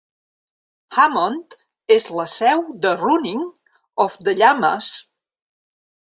Hammond és la seu de Running of the Llamas.